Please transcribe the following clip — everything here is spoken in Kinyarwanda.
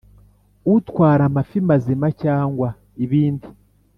Utwara amafi mazima cyangwa ibindi